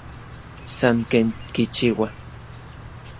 San ken kichiua.